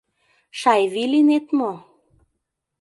— Шайви лийнет мо?